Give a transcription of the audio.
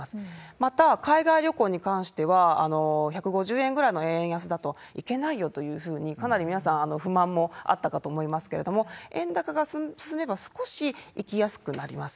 また、海外旅行に関しては、１５０円ぐらいの円安だと行けないよというふうに、かなり皆さん、不満もあったかと思いますけれども、円高が進めば、少し行きやすくなります。